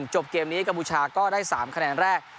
จบเกมนี้กัมพูชาก็ได้๓คะแนนแรก